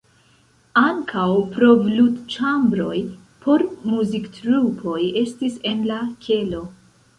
Ankaŭ provludĉambroj por muziktrupoj estis en la kelo.